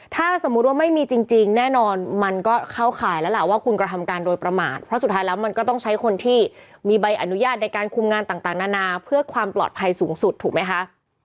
ถ้าสมมุติว่าไม่มีจริงแน่นอนมันก็เข้าข่ายแล้วล่ะว่าคุณกระทำการโดยประมาทเพราะสุดท้ายแล้วมันก็ต้องใช้คนที่มีใบอนุญาตในการคุมงานต่างนานาเพื่อความปลอดภัยสูงสุดถูกไหมคะ